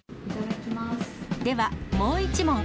では、もう１問。